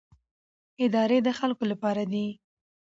ادارې د خلکو لپاره دي